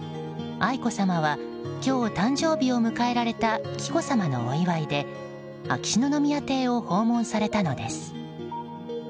愛子さまは今日、誕生日を迎えられた紀子さまのお祝いで秋篠宮邸を訪問されたのです。